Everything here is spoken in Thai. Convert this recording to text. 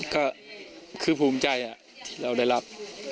ก็คือภูมิใจที่เราได้รับ